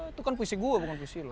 itu kan puisi gue bukan puisi lo